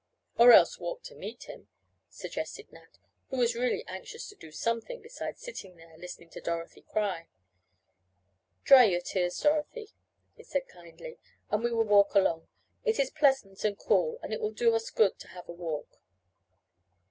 "Or else walk to meet him," suggested Nat, who was really anxious to do something beside sitting there listening to Dorothy cry. "Dry your tears, Dorothy," he said kindly, "and we will walk along. It is pleasant and cool, and it will do us good to have a walk."